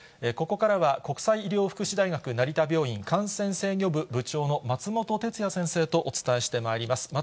ここからは、国際医療福祉大学成田病院感染制御部部長の松本哲哉先生とお伝えしてまいります。